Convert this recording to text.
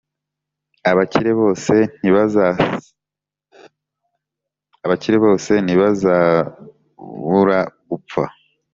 Abakire bose ntibazabura gupfa.